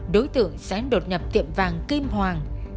đối tượng sẽ đột nhập tiệm vàng kim hoàng